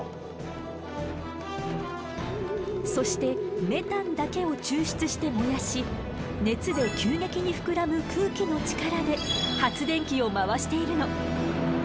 そしてメタンだけを抽出して燃やし熱で急激に膨らむ空気の力で発電機を回しているの。